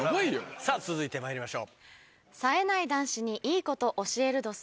さぁ続いてまいりましょう。